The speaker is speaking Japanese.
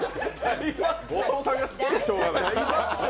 後藤さんが好きでしょうがない。